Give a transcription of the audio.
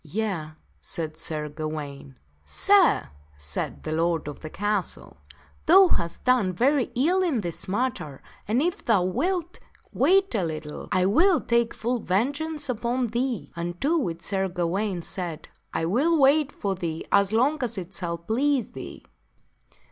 "Yea," said Sir Gawaine. "Sir," said the lord of the castle, "thou hast done very ill in this matter, and if thou wilt wait a little I will take full vengeance upon thee." Unto which Sir Gawaine said, " I will wait for thee as long as it shall please thee."